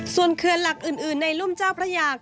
ส่วนเขื่อนหลักอื่นในรุ่มเจ้าพระยา